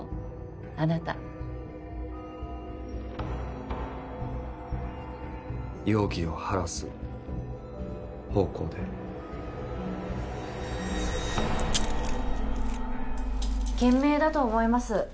あなた容疑を晴らす方向で賢明だと思います